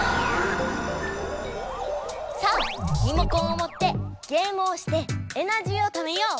さあリモコンをもってゲームをしてエナジーをためよう！